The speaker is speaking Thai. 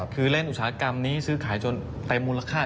คือเล่นอุตสาหกรรมนี้ซื้อขายจนเต็มมูลค่า